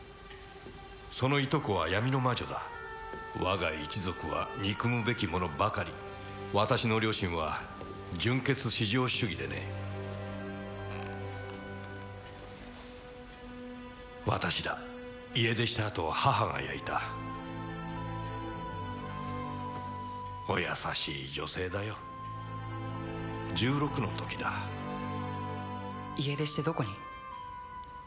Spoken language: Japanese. そのいとこは闇の魔女だ我が一族は憎むべき者ばかり私の両親は純血至上主義でね私だ家出したあと母が焼いたお優しい女性だよ１６の時だ家出してどこに？